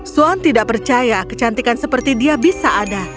swan tidak percaya kecantikan seperti dia bisa ada